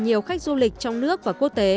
nhiều khách du lịch trong nước và quốc tế